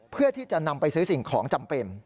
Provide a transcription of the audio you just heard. เพื่อที่จะนำไปซื้อสิ่งของจำเป็น